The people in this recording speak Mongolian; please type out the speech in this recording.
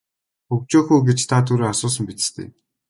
Хөгжөөх үү гэж та түрүүн асуусан биз дээ.